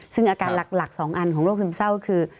ซึ่งอาการหลัก๒อันของโรคซึมเศร้าคือ